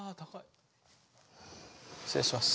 失礼します。